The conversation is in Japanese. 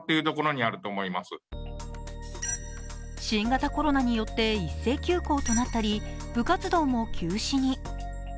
新型コロナによって一斉休校となったり部活動も休止に。